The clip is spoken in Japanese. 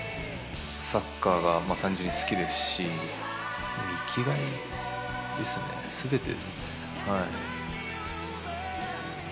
サッカーが単純に好きですし、生きがいですね、すべてですね。